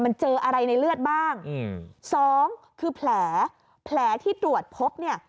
มันเจออะไรในเลือดบ้างอืมสองคือแผลแผลที่ตรวจพบเนี่ย